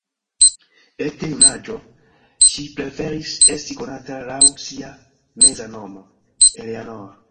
Ekde junaĝo, ŝi preferis esti konata laŭ sia meza nomo, Eleanor.